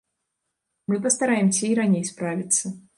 Мы пастараемся і раней справіцца.